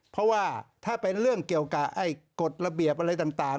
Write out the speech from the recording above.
เพราะว่าถ้าเป็นเรื่องเกี่ยวกับกฎระเบียบอะไรต่าง